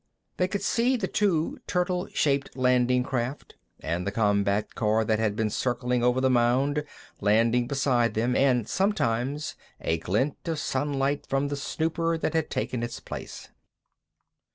They could see the two turtle shaped landing craft, and the combat car, that had been circling over the mound, landing beside them, and, sometimes, a glint of sunlight from the snooper that had taken its place.